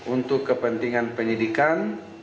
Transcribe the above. untuk kepentingan penyidikan